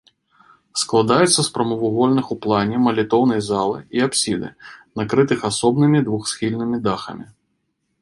Складаецца з прамавугольных у плане малітоўнай залы і апсіды, накрытых асобнымі двухсхільнымі дахамі.